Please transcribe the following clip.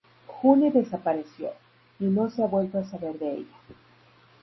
Juni desapareció, y no se ha vuelto a saber de ella.